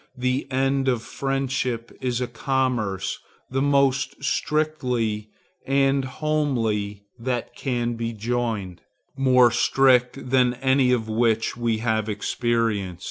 The end of friendship is a commerce the most strict and homely that can be joined; more strict than any of which we have experience.